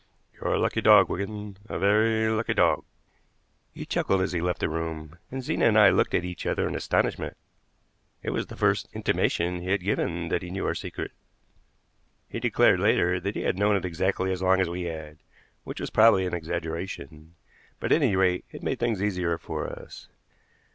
You're a lucky dog, Wigan, a very lucky dog." He chuckled as he left the room, and Zena and I looked at each other in astonishment. It was the first intimation he had given that he knew our secret. He declared later that he had known it exactly as long as we had, which was probably an exaggeration; but at any rate it made things easier for us.